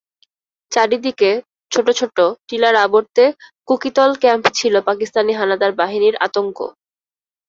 চারিদিকে ছোট ছোট টিলার আবর্তে কুকিতল ক্যাম্প ছিল পাকিস্তানি হানাদার বাহিনীর আতঙ্ক।